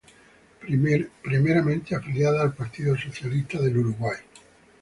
Primeramente afiliada al Partido Socialista del Uruguay.